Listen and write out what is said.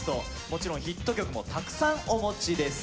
もちろんヒット曲もたくさんお持ちです